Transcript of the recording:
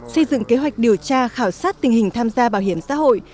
xây dựng kế hoạch điều tra khảo sát tình hình tham gia bảo hiểm xã hội